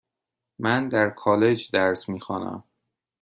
من در کالج درس میخوانم.